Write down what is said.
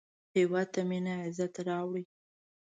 هېواد ته مینه عزت راوړي